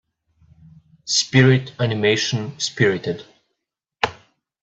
Spirit animation Spirited